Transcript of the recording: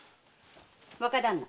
若旦那